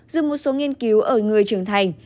dù một số nghiên cứu ở người trưởng thành